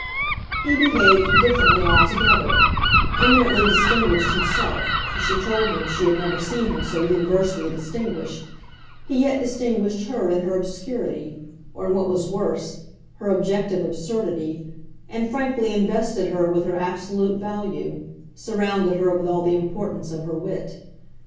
He behaved differently altogether: eminently distinguished himself for she told him she had never seen him so universally distinguished he yet distinguished her in her obscurity, or in what was worse, her objective absurdity, and frankly invested her with her absolute value, surrounded her with all the importance of her wit.